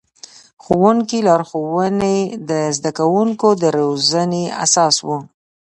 د ښوونکي لارښوونې د زده کوونکو د روزنې اساس و.